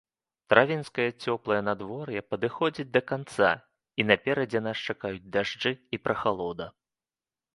Травеньскае цёплае надвор'е падыходзіць да канца, і наперадзе нас чакаюць дажджы і прахалода.